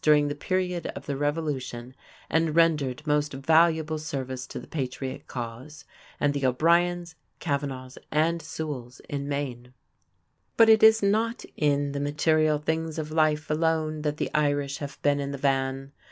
during the period of the Revolution and rendered most valuable service to the patriot cause; and the O'Briens, Kavanaghs, and Sewalls in Maine. But it is not in the material things of life alone that the Irish have been in the van.